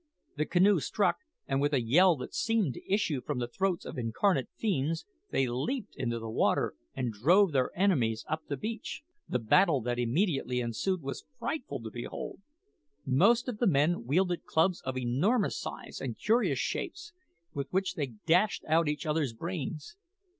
The canoe struck, and with a yell that seemed to issue from the throats of incarnate fiends, they leaped into the water and drove their enemies up the beach. The battle that immediately ensued was frightful to behold. Most of the men wielded clubs of enormous size and curious shapes, with which they dashed out each other's brains.